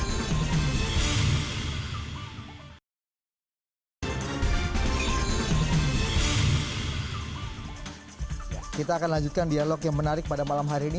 kita akan lanjutkan dialog yang menarik pada malam hari ini